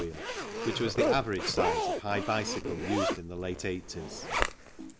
wheel, which was the average size of high bicycle used in the late eighties.